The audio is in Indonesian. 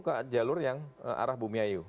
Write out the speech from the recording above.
ke jalur yang arah bumiayu